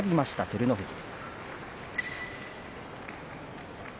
照ノ富士。